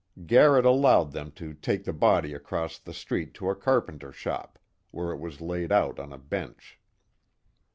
Garrett allowed them to take the body across the street to a carpenter shop, where it was laid out on a bench.